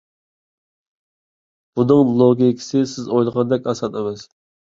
بۇنىڭ لوگىكىسى سىز ئويلىغاندەك ئاسان ئەمەس.